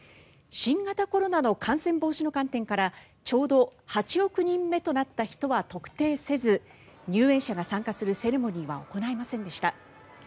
新型コロナの感染防止の観点からちょうど８億人目となった人は特定せず入園者が参加するセレモニーは行われませんでした。